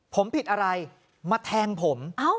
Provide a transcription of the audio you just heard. ผมผิดอะไรมาแทงผม